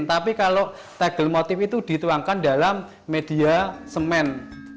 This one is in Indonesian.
tapi kalau tegel motif itu dituangkan dalam media semen